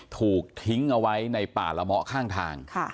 ถูกทิ้งเอาไว้ในป่าละเมาะข้างทาง